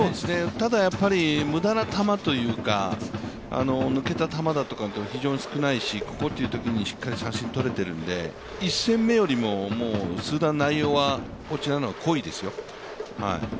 ただやっぱり無駄な球とか抜けた球は非常に少ないし、ここというときにしっかり三振とれているんで、１戦目よりも数段、内容はこちらの方が濃いですよ。